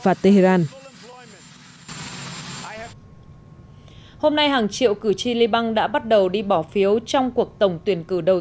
phạt tehran hôm nay hàng triệu cử tri liban đã bắt đầu đi bỏ phiếu trong cuộc tổng tuyển cử đầu